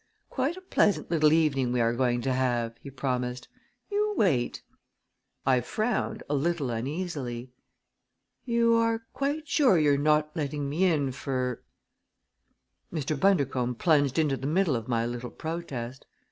"Quite a pleasant little evening we are going to have!" he promised. "You wait!" I frowned a little uneasily. "You are quite sure you're not letting me in for " Mr. Bundercombe plunged into the middle of my little protest.